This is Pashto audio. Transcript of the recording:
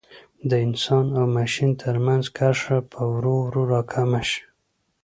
د انسان او ماشین ترمنځ کرښه به ورو ورو را کمه شي.